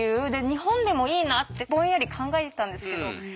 日本でもいいなってぼんやり考えてたんですけど。